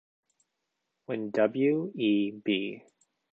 When W. E. B.